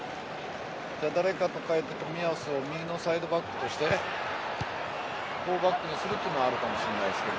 誰かと代えて、冨安を右のサイドバックとして４バックにするというのはあるかもしれないですけど。